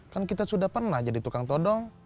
kan kita sudah pernah jadi tukang todong